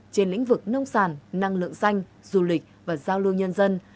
trên lĩnh vực nông sản năng lượng xanh du lịch và giao lưu nhân dân